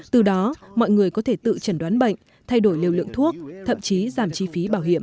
từ đó mọi người có thể tự chẩn đoán bệnh thay đổi liều lượng thuốc thậm chí giảm chi phí bảo hiểm